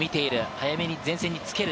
早めに前線につける。